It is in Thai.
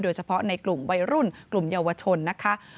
เฉพาะในกลุ่มวัยรุ่นกลุ่มเยาวชนนะคะ